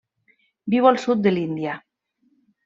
Viu al sud de l'Índia.